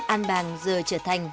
an bàng giờ trở thành